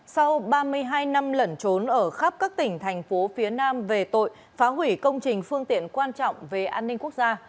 sau ba mươi hai năm lẩn trốn ở khắp các tỉnh thành phố phía nam về tội phá hủy công trình phương tiện quan trọng về an ninh quốc gia